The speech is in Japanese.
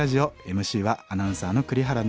ＭＣはアナウンサーの栗原望。